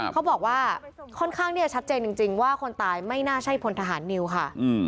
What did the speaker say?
เขาบอกว่าค่อนข้างที่จะชัดเจนจริงว่าคนตายไม่น่าใช่พลทหารนิวค่ะ